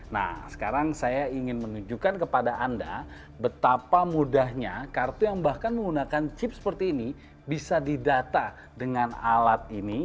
nah sekarang saya ingin menunjukkan kepada anda betapa mudahnya kartu yang bahkan menggunakan chip seperti ini bisa didata dengan alat ini